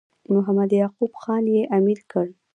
محمد یعقوب خان یې امیر کړ.